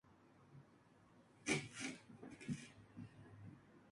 Allí, se convirtió en un apasionado discípulo del dramaturgo Jean Racine.